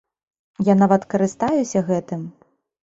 Я нават карыстаюся гэтым!